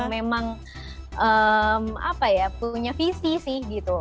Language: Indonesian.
memang apa ya punya visi sih gitu